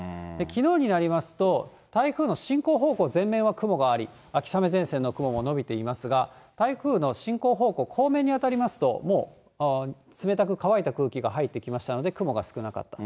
きのうになりますと、台風の進行方向前面は雲があり、秋雨前線の雲も延びていますが、台風の進行方向、後面に当たりますと、もう冷たく乾いた空気が入ってきましたので、雲が少なかった。